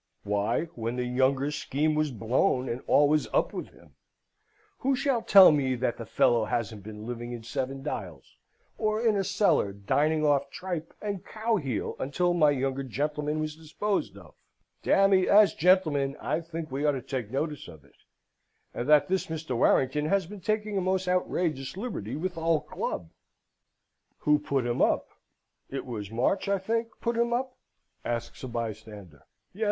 Why, when the younger's scheme was blown, and all was up with him! Who shall tell me that the fellow hasn't been living in Seven Dials, or in a cellar dining off tripe and cow heel until my younger gentleman was disposed of? Dammy, as gentlemen, I think we ought to take notice of it: and that this Mr. Warrington has been taking a most outrageous liberty with the whole club." "Who put him up? It was March, I think, put him up?" asks a bystander. "Yes.